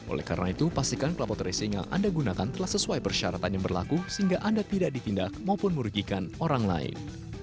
oleh karena itu pastikan kelompok racing yang anda gunakan telah sesuai persyaratan yang berlaku sehingga anda tidak ditindak maupun merugikan orang lain